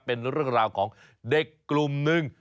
เป็นเรื่องราวของเด็กกลุ่มนึง